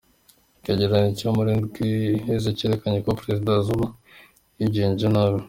Icegeranyo co mu ndwi iheze carerekanye ko ko prezida Zuma yigenjeje nabi.